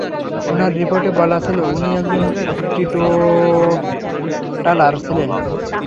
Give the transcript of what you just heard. উনার রিপোর্টে বলা ছিল উনি একজন টিটোটালার ছিলেন।